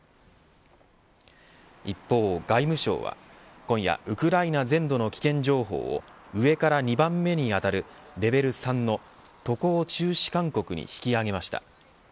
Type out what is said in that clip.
一方、外務省は今夜ウクライナ全土の危険情報を上から２番目にあたるレベル３の渡航中止勧告に引き上げました。